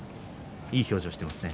いい表情をしていますね。